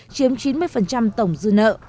chiếm chín mươi tổng dư nợ